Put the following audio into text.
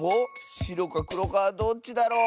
しろかくろかどっちだろう？